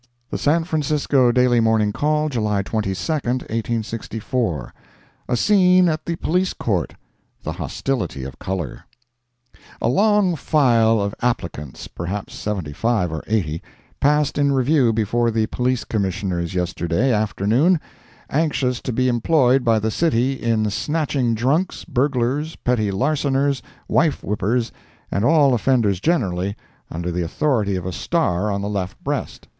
The San Francisco Daily Morning Call, July 22, 1864 A SCENE AT THE POLICE COURT—THE HOSTILITY OF COLOR A long file of applicants, perhaps seventy five or eighty, passed in review before the Police Commissioners yesterday afternoon, anxious to be employed by the city in Snatching drunks, burglars, petty larcenors, wife whippers, and all offenders generally, under the authority of a star on the left breast.